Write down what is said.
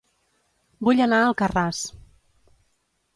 Vull anar a Alcarràs